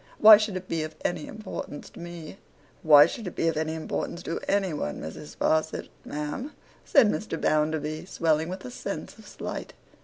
Why should it be of any importance to me?' 'Why should it be of any importance to any one, Mrs. Sparsit, ma'am?' said Mr. Bounderby, swelling with a sense of slight.